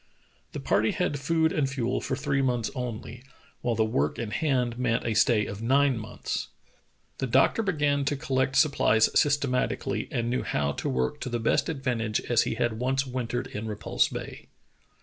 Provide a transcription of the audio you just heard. The party had food and fuel for three months only. 142 True Tales of Arctic Heroism while the work in hand meant a sta}' of nine months. The doctor began to collect supplies systematically, and knew how to work to the best advantage as he had once wintered at Repulse Bay.